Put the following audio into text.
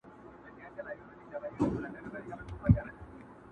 ضميرونه لا هم بې قراره دي,